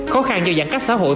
khó khăn do giãn cách xã hội